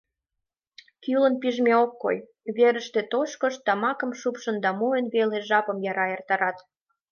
Кӱлын пижме ок кой: верыште тошкышт, тамакым шупшын да мойн веле жапым яра эртарат...